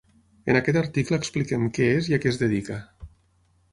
En aquest article expliquem què és i a què es dedica.